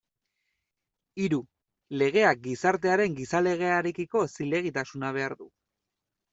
Hiru, legeak gizartearen gizalegearekiko zilegitasuna behar du.